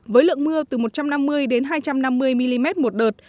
với lượng mưa từ một trăm năm mươi hai trăm năm mươi mm một đợt